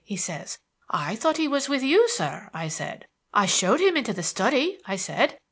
he says. 'I thought he was with you, sir,' I said. 'I showed him into the study,' I said.